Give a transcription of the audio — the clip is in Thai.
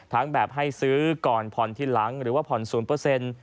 แบบให้ซื้อก่อนผ่อนทีหลังหรือว่าผ่อน๐